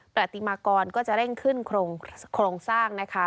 ปฏิมากรก็จะเร่งขึ้นโครงสร้างนะคะ